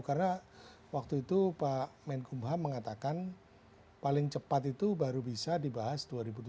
karena waktu itu pak menkumham mengatakan paling cepat itu baru bisa dibahas dua ribu tujuh belas